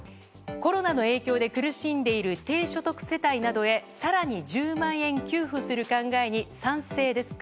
コロナの影響で苦しんでいる低所得世帯などへ更に１０万円給付する考えに賛成ですか？